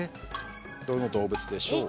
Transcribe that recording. どの動物でしょう。